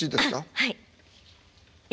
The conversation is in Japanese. はい。